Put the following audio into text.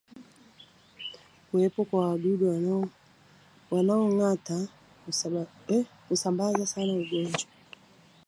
Kuwepo kwa wadudu wanaongata husambaza sana ugonjwa